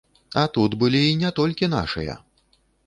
А тут былі і не толькі нашыя!